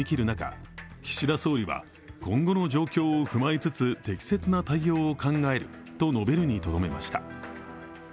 中岸田総理は今後の状況を踏まえつつ、適切な対応を考えると述べるにとどめました。